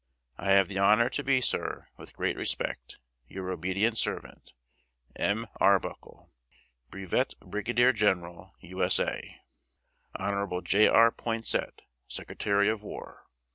"I have the honor to be, Sir, with great respect, Your obedient servant, M. ARBUCKLE, Brevet Brig. Gen'l, U. S. A. Hon. J. R. POINSETT, Secretary of War."